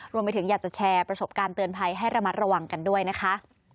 อยากจะแชร์ประสบการณ์เตือนภัยให้ระมัดระวังกันด้วยนะคะ